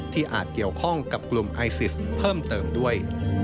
อาจเกี่ยวข้องกับกลุ่มไอซิสเพิ่มเติมด้วย